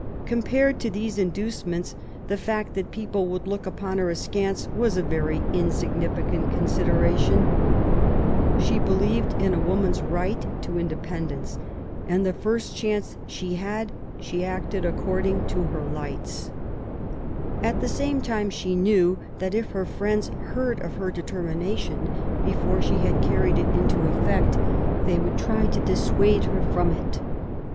Compared to these inducements, the fact that people would look upon her askance was a very insignificant consideration. She believed in a woman^s right to independence ; and, the first chance she had, she acted according to her lights. 6 ♦ d 68 MABY W0LL8T0NECBAFT GODWIN. At the same time, she knew that if her friends heard of her determination before she had carried it into effect, they would try to dissuade her from it.